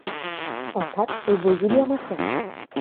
অর্থাৎ ঐ বইগুলি আমার চাই।